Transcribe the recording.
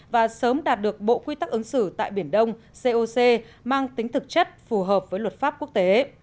và sớm đạt được bộ quy tắc ứng xử tại biển đông coc mang tính thực chất phù hợp với luật pháp quốc tế